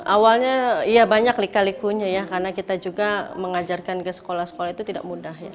awalnya ya banyak lika likunya ya karena kita juga mengajarkan ke sekolah sekolah itu tidak mudah ya